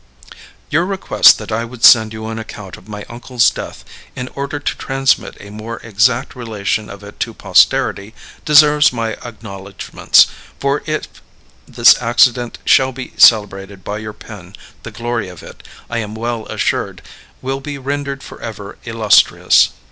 Your request that I would send you an account of my uncle's death, in order to transmit a more exact relation of it to posterity, deserves my acknowledgments, for if this accident shall be celebrated by your pen the glory of it, I am well assured, will be rendered forever illustrious.